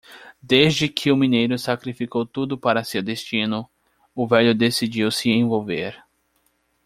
Desde que o mineiro sacrificou tudo para seu destino, o velho decidiu se envolver.